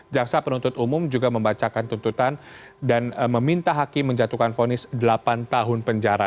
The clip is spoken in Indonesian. jaksa penuntut umum juga membacakan tuntutan dan meminta hakim menjatuhkan fonis delapan tahun penjara